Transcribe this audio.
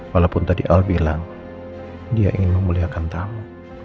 walaupun tadi al bilang dia ingin memuliakan tamu